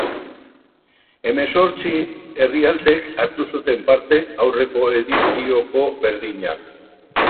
Hemezortzi herrialdek hartu zuten parte, aurreko edizioko berdinak.